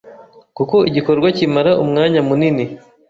kuko igikorwa kimara umwanya munini